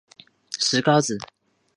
石皋子。